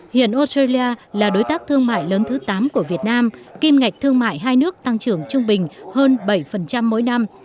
hiện australia là đối tác thương mại lớn thứ tám của việt nam kim ngạch thương mại hai nước tăng trưởng trung bình hơn bảy mỗi năm